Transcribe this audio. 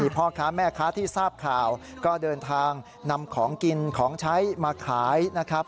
พ่อค้าแม่ค้าที่ทราบข่าวก็เดินทางนำของกินของใช้มาขายนะครับ